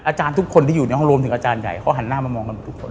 อาจารย์ทุกคนที่อยู่ในห้องรวมถึงอาจารย์ใหญ่เขาหันหน้ามามองกันหมดทุกคน